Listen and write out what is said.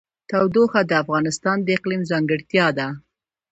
تودوخه د افغانستان د اقلیم ځانګړتیا ده.